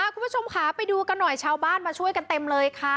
คุณผู้ชมค่ะไปดูกันหน่อยชาวบ้านมาช่วยกันเต็มเลยค่ะ